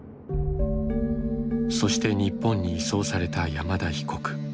そして日本に移送された山田被告。